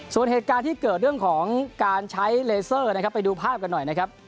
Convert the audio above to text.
ส่วนเหตุการณ์ที่เกิดเรื่องของการใช้เลเซอร์นะครับไปดูภาพกันหน่อยนะครับ